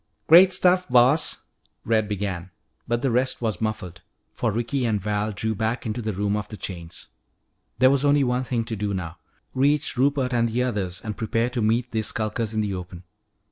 "Great stuff, Boss " Red began. But the rest was muffled, for Ricky and Val drew back into the room of the chains. There was only one thing to do now reach Rupert and the others and prepare to meet these skulkers in the open.